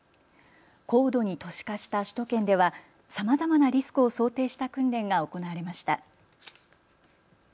高度に都市化した首都圏ではさまざまなリスクを想定した訓練が行われました。